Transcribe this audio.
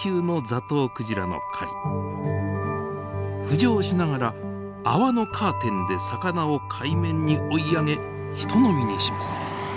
浮上しながら泡のカーテンで魚を海面に追い上げひとのみにします。